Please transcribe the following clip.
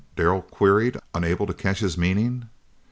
Darrell queried, unable to catch his meaning.